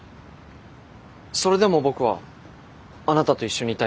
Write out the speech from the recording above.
それでも僕はあなたと一緒にいたいです。